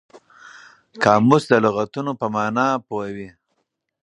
قاموس د لغتونو په مانا پوهوي.